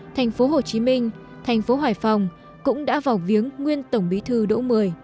tp hồ chí minh tp hải phòng cũng đã vào viếng nguyên tổng bí thư đỗ một mươi